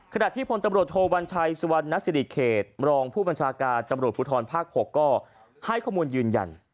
ขณะที่พลตำรวจโทวัญชัยสุวรรณสิริเขตรองผู้บัญชาการตำรวจภูทรภาค๖ก็ให้ข้อมูลยืนยัน